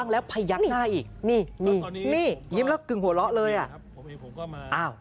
แลนด์สไลด์ไม้คุณภูมิกว้างแล้ว